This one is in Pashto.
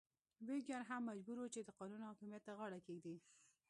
ویګیان هم مجبور وو چې د قانون حاکمیت ته غاړه کېږدي.